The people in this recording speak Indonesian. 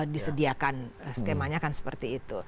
disediakan skemanya kan seperti itu